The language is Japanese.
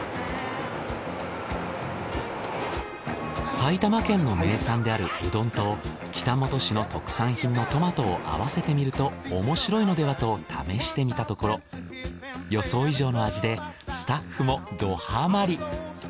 埼玉県の名産であるうどんと北本市の特産品のトマトを合わせてみるとおもしろいのではと試してみたところ予想以上の味でスタッフもどハマり。